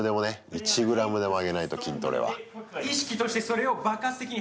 １ｇでも上げないと筋トレは。